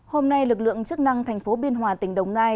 hôm nay lực lượng chức năng thành phố biên hòa tỉnh đồng nai